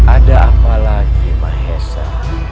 ada apa lagi mahesa